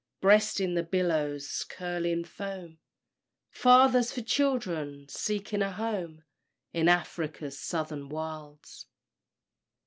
Breasting the billows' curling foam, Fathers for children seeking a home In Afric's Southern Wilds.